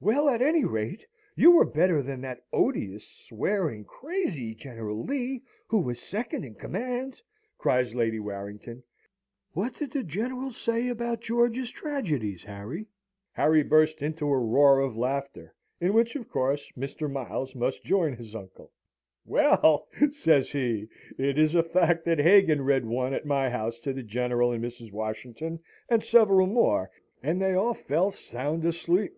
"Well, at any rate, you were better than that odious, swearing, crazy General Lee, who was second in command!" cries Lady Warrington. "And I am certain Mr. Washington never could write poetry and tragedies as you can! What did the General say about George's tragedies, Harry?" Harry burst into a roar of laughter (in which, of course, Mr. Miles must join his uncle). "Well!" says he, "it's a fact that Hagan read one at my house to the General and Mrs. Washington and several more, and they all fell sound asleep!"